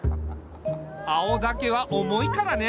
青竹は重いからね。